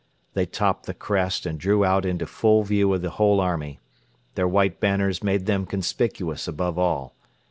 They topped the crest and drew out into full view of the whole army. Their white banners made them conspicuous above all.